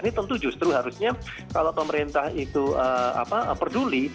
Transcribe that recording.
ini tentu justru harusnya kalau pemerintah itu peduli